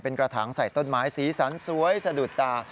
เป็นกระถางใส่ต้นไม้สีสันสวยสะดุดตา